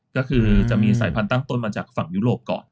ก็คือจะมีสายพันธุ์ตั้งต้นมาจากฝั่งยุโรปก่อน